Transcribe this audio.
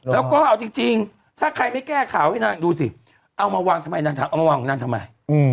แล้วก็เอาจริงถ้าใครไม่แก้ข่าวให้นางดูสิเอามาวางทำไมนางถามเอามาวางของนางทำไม